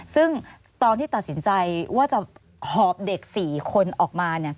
ซึ่งตอนที่ตัดสินใจว่าจะหอบเด็ก๔คนออกมา